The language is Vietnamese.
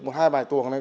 một hai bài tuồng này